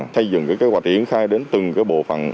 xây dựng các kế hoạch yển khai đến từng bộ phận